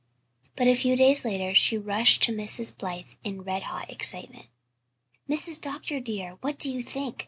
But a few days later she rushed to Mrs. Blythe in red hot excitement. "Mrs. Dr. dear, what do you think?